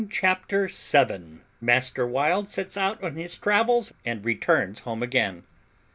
CHAPTER SEVEN MASTER WILD SETS OUT ON HIS TRAVELS, AND RETURNS HOME AGAIN.